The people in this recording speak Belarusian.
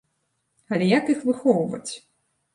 Але як іх выхоўваць?